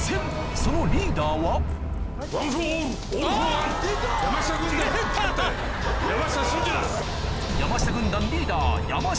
そのリーダーは山下軍団リーダー